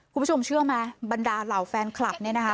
คุณผู้ชมเชื่อไหมบรรดาเหล่าแฟนคลับเนี่ยนะคะ